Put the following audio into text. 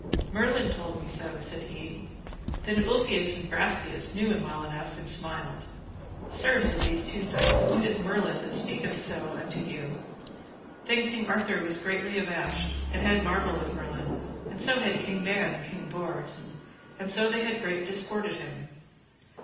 Merlin told me so, said he. Then Ulfius and Brastias knew him well enough, and smiled. Sir, said these two knights, it is Merlin that so speaketh unto you. Then King Arthur was greatly abashed, and had marvel of Merlin, and so had King Ban and King Bors, and so they had great disport at him.